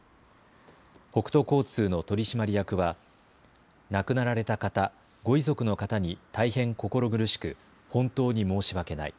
北都交通の取締役は亡くなられた方、ご遺族の方に大変心苦しく本当に申し訳ない。